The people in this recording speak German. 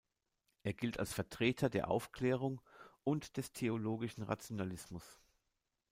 Er gilt als Vertreter der Aufklärung und des theologischen Rationalismus.